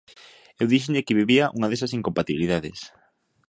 Eu díxenlle que vivía unha desas incompatibilidades.